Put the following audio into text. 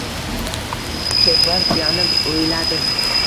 Ketmon suyanib o‘yladi.